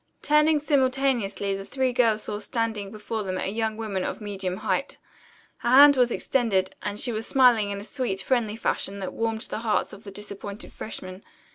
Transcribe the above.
Turning simultaneously the three girls saw standing before them a young woman of medium height. Her hand was extended, and she was smiling in a sweet, friendly fashion that warmed the hearts of the disappointed freshmen.